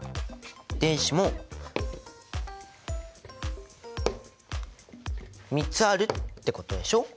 電子も３つあるってことでしょ？